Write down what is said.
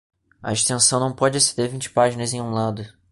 A extensão não pode exceder vinte páginas em um lado.